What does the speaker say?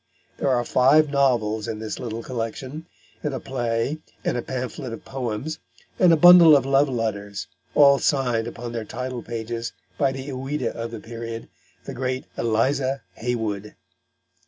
There are five novels in this little collection, and a play, and a pamphlet of poems, and a bundle of love letters, all signed upon their title pages by the Ouida of the period, the great Eliza Haywood.